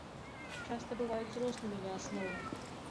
Часта бываюць зрослымі ля асновы.